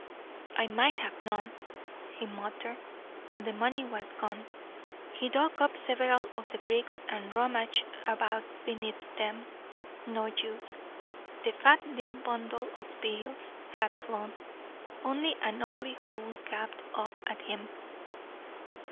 "I might have known," he muttered. For the money was gone. He dug up several of the bricks, and rummaged about beneath them. No use. The fat little bundle of bills had flown. Only an ugly hole gaped up at him.